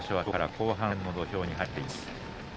後半戦の土俵に入っています。